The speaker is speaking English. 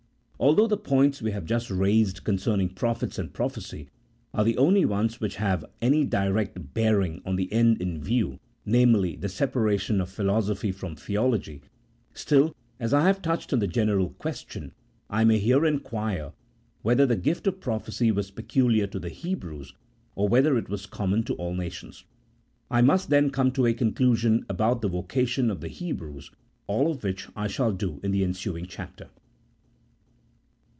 Although the points we have just raised concern ing prophets and prophecy are the only ones which have any direct bearing on the end in view, namely, the separa tion of Philosophy from Theology, still, as I have touched on the general question, I may here inquire whether the gift of prophecy was peculiar to the Hebrews, or whether it was common to all nations. I must then come to a conclu sion about the vocation of the Hebrews, all of which I shall do in the ensuing chapter.